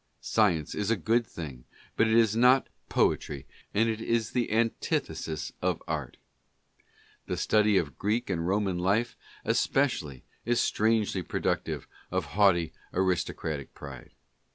Science is a good thing, but it is not poetry and it is the antithesis of art. The study of Greek and Roman life especially is strangely productive of haughty aristo cratic pride.